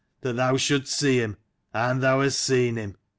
That thou shouldst see him: arid thou hast seen him.